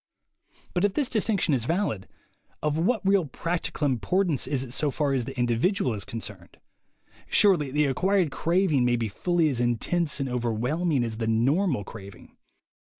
But if this distinction is valid, of what real prac tical importance is it so far as the individual is concerned? Surely the acquired craving may be fully as intense and overwhelming as the "normal'' craving.